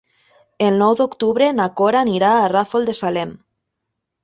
El nou d'octubre na Cora anirà al Ràfol de Salem.